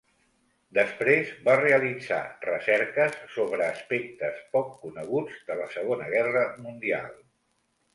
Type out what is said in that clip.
Després va realitzar recerques sobre aspectes poc coneguts de la Segona Guerra Mundial.